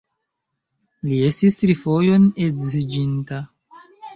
Li estis tri fojon edziĝinta.